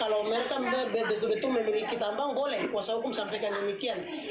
kalau mereka betul betul memiliki tambang boleh kuasa hukum sampaikan demikian